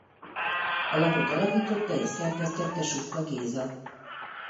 A lapot alapította és szerkesztette Supka Géza.